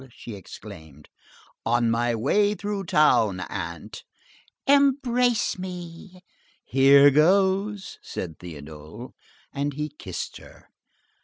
she exclaimed. "On my way through town, aunt." "Embrace me." "Here goes!" said Théodule. And he kissed her.